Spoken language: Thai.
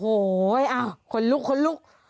โอ้โฮคนลุก